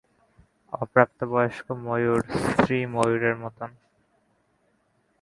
অপ্রাপ্তবয়স্ক ময়ূর স্ত্রী ময়ূরের মত।